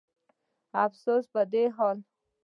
افسوس په دا حال